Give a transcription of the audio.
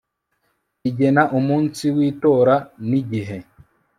rigena umunsi w itora n igihe